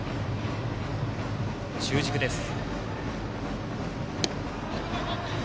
中軸です。